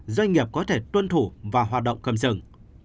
doanh nghiệp có thể tuân thủ và hoạt động cầm rừng